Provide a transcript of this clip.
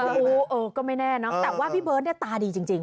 แต่ว่าพี่เบิร์ตตาดีจริง